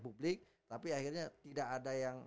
publik tapi akhirnya tidak ada yang